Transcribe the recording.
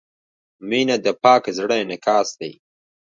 • مینه د پاک زړۀ انعکاس دی.